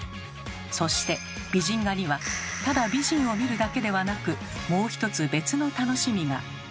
そして美人画にはただ美人を見るだけではなくもう一つ別の楽しみが。